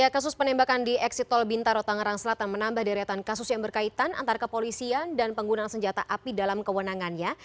kasus penembakan di eksitol bintar rotang rang selatan menambah deretan kasus yang berkaitan antara kepolisian dan penggunaan senjata api dalam kewenangannya